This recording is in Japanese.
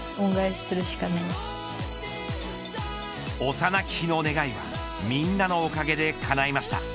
幼き日の願いはみんなのおかげでかないました。